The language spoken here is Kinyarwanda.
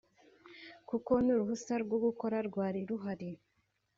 kuko n’uruhusa rwo gukora rwari ruhari